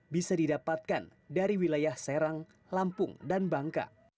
bisa didapatkan dari wilayah serang lampung dan bangka